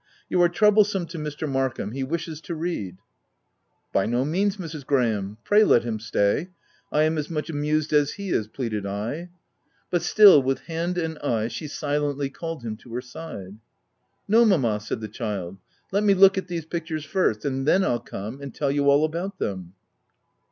You are troublesome to Mr. Markham : he wishes to read/' " By no means, Mrs. Graham ; pray let him stay. I am as much amused as he is," pleaded OF WILDFELL HALL. 47 I. But still, with hand and eye, she silently called him to her side. " No, mamma/ 5 said the child ; w let me look at these pictures first; and then I'll come, and tell you all about them."